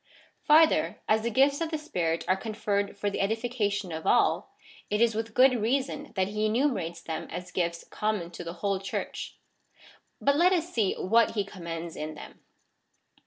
Farther, as the gifts of the Spirit are conferred for the edification of all, it is with good reason that he enumerates them as gifts common to the whole Church.^ But let us see what he commends in them.